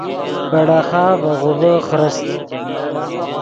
پے ڑیخا ڤے غوڤے خرست